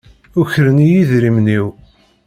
Ukren-iyi idrimen-iw.